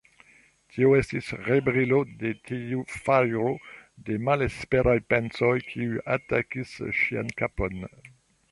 Tio estis rebrilo de tiu fajro de malesperaj pensoj, kiu atakis ŝian kapon.